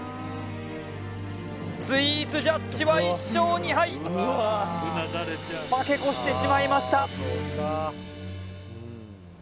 スイーツジャッジは１勝２敗負け越してしまいました